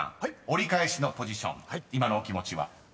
折り返しのポジション今のお気持ちは？］